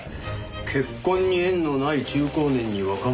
「結婚に縁のない中高年に若者を紹介」。